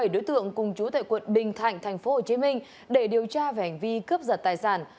bảy đối tượng cùng chú tại quận bình thạnh tp hcm để điều tra về hành vi cướp giật tài sản